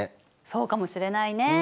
そうかもしれないね。